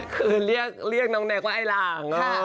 คือเรียกน้องแน็กว่าไอ้หลัง